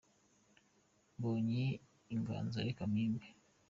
Mbonye inganzo reka mpimbe